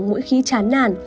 mỗi khi chán nản